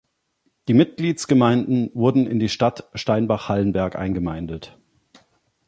Die Mitgliedsgemeinden wurden in die Stadt Steinbach-Hallenberg eingemeindet.